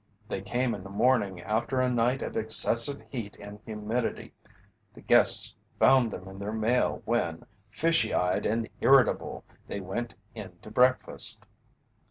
They came in the morning after a night of excessive heat and humidity. The guests found them in their mail when, fishy eyed and irritable, they went in to breakfast.